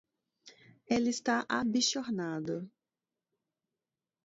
Ele tá abichornado